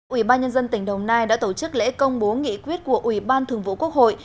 ủy ban nhân dân tỉnh đồng nai đã tổ chức lễ công bố nghị quyết của ủy ban thường vụ quốc hội